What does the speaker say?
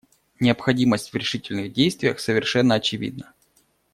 Необходимость в решительных действиях совершенно очевидна.